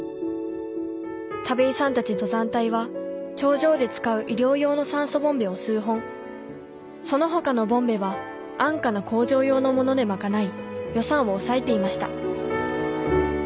田部井さんたち登山隊は頂上で使う医療用の酸素ボンベを数本そのほかのボンベは安価な工場用のもので賄い予算を抑えていました